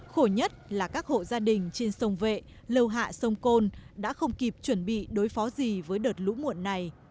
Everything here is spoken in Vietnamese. khổ nhất là các hộ gia đình trên sông vệ lâu hạ sông côn đã không kịp chuẩn bị đối phó gì với đợt lũ muộn này